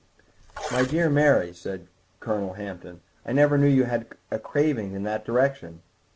"My dear Mary," said Colonel Hampton, "I never knew you had a craving in that direction."